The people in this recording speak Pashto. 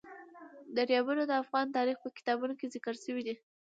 دریابونه د افغان تاریخ په کتابونو کې ذکر شوی دي.